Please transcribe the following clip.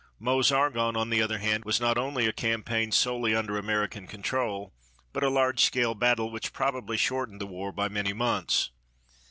Meuse Argonne, on the other hand, was not only a campaign solely under American control but a large scale battle which probably shortened the war by many months.